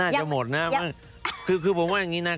จะหมดนะคือผมว่าอย่างนี้นะ